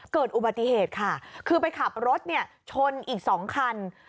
เกิดอุบัติเหตุค่ะคือไปขับรถเนี่ยชนอีก๒คัน